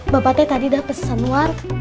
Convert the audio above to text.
bapak tadi tadi udah pesen war